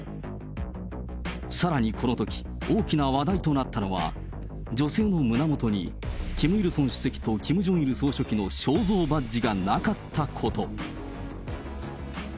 さらにこのとき、大きな話題となったのは、女性の胸元に、キム・イルソン主席とキム・ジョンイル総書記の肖像バッジがなかったこと。